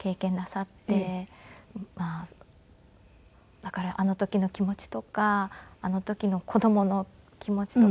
だからあの時の気持ちとかあの時の子供の気持ちとかたくさん。